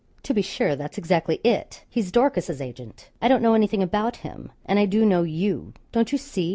'To be sure that's exactly it he's Dorcas's agent. I don't know anything about him, and I do know you don't you see?